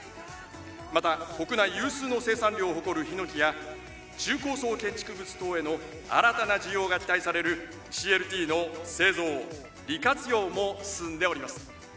また国内有数の生産量を誇るヒノキや中高層建築物等への新たな需要が期待されるＣＬＴの製造利活用も進んでおります。